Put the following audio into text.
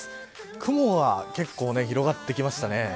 雲は、結構広がってきましたね。